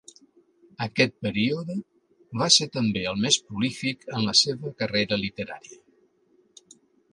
Aquest període va ser també el més prolífic en la seva carrera literària.